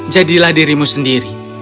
jadilah dirimu sendiri